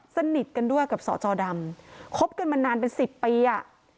สนิทกันด้วยกับสจดำคบกันมานานเป็นสิบปีอ่ะ